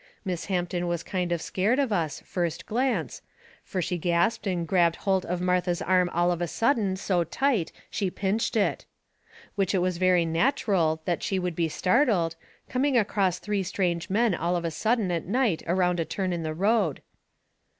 Miss Hampton was kind of scared of us, first glance, fur she gasped and grabbed holt of Martha's arm all of a sudden so tight she pinched it. Which it was very natcheral that she would be startled, coming across three strange men all of a sudden at night around a turn in the road.